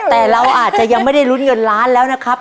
แต่เราอาจจะยังไม่ได้ลุ้นเงินล้านแล้วนะครับ